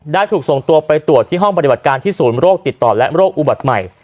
ได้ถูกส่งตัวไปตรวจที่ห้องปฏิบัติการที่ศูนย์โรคติดต่อและโรคอุบัติใหม่